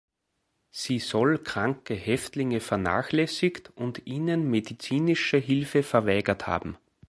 Sie soll kranke Häftlinge vernachlässigt und ihnen medizinische Hilfe verweigert haben.